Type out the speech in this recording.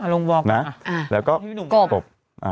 แล้วก็กบ